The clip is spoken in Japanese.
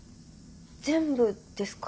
全部ですか？